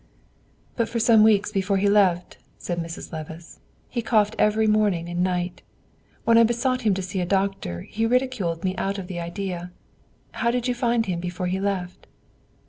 "But for some weeks before he left," said Mrs. Levice, "he coughed every morning and night. When I besought him to see a doctor, he ridiculed me out of the idea. How did you find him before he left?"